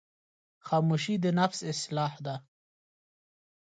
خاموشي، د نفس اصلاح ده.